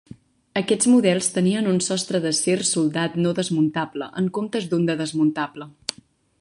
Aquests models tenien un sostre d'acer soldat no desmuntable, en comptes d'un de desmuntable.